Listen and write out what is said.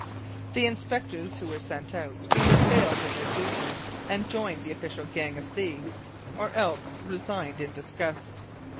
The inspectors who were sent out either failed in their duty and joined the official gang of thieves, or else resigned in disgust.